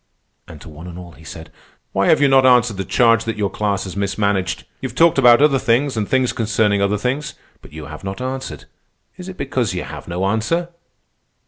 And to one and all he said: "Why have you not answered the charge that your class has mismanaged? You have talked about other things and things concerning other things, but you have not answered. Is it because you have no answer?"